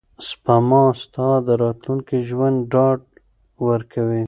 سپما ستا د راتلونکي ژوند ډاډ ورکوي.